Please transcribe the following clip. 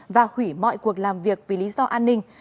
và hủy mọi cuộc làm việc vì lý do an ninh